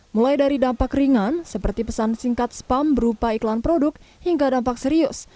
mulai dari dampak ringan seperti pesan singkat spam berupa iklan produk hingga dampak serius